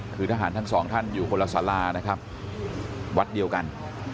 คือทหารทั้งสองท่านอยู่คนละสารานะครับวัดเดียวกัน